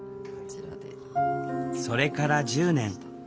それから１０年。